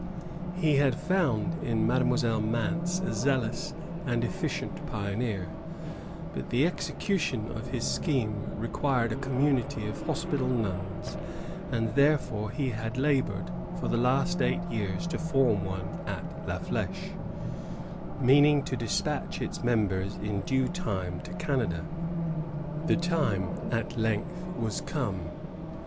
^ He had found in Mademoiselle Mance a zealous and efficient pioneer; but the execution of his scheme required a community of hospital nuns, and therefore he had labored for the last eighteen years to form one at La Fldche, meaning to despatch its members in due time to Canada. The time at length was come.